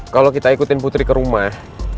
kalau kita ikutin putri ke rumah